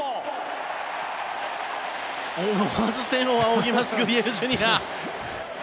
思わず天を仰ぎますグリエルＪｒ．。